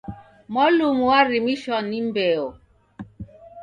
Mwalumu warimishwa ni mbeo